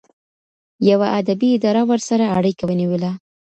یوه ادبي اداره ورسره اړیکه ونیوله.